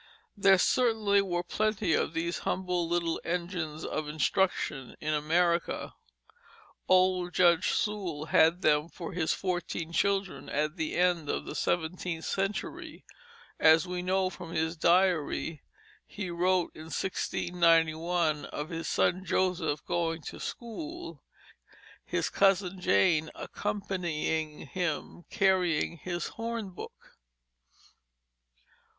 There certainly were plenty of these humble little engines of instruction in America; old Judge Sewall had them for his fourteen children at the end of the seventeenth century, as we know from his diary; he wrote in 1691 of his son Joseph going to school "his cousin Jane accompanying him, carrying his horn book."